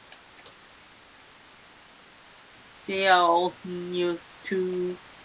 They are often used to connect notional words and indicate relationships between them.